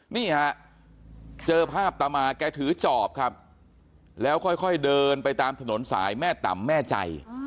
นี่ฮะเจอภาพตามาแกถือจอบครับแล้วค่อยเดินไปตามถนนสายแม่ต่ำแม่ใจ